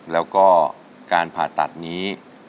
แล้วก็การผ่าตัดนี้